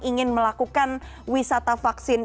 ingin melakukan wisata vaksin